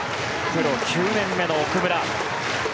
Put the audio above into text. プロ９年目の奥村。